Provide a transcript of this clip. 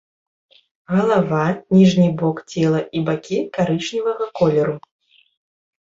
Галава, ніжні бок цела і бакі карычневага колеру.